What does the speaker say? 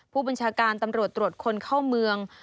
ผู้บัญชาการตำรวจตรวจคนเข้าเมือง